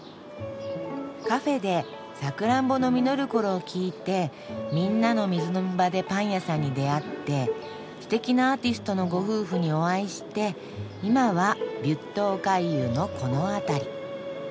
カフェで「さくらんぼの実る頃」を聴いてみんなの水飲み場でパン屋さんに出会ってすてきなアーティストのご夫婦にお会いして今はビュットオカイユのこの辺り。